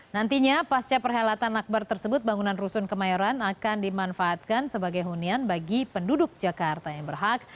nantinya pasca perhelatan akbar tersebut bangunan rusun kemayoran akan dimanfaatkan sebagai hunian bagi penduduk jakarta yang berhak